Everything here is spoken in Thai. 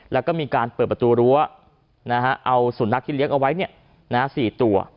แล้วก็มีการเปิดประตูรั้วนะฮะเอาส่วนนักที่เลี้ยงเอาไว้เนี่ยนะฮะ๔ตัว